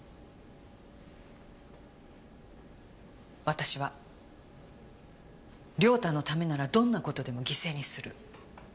私は良太のためならどんな事でも犠牲にする。